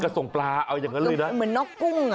กระสงกปลาเหมือนนอกกุ้ง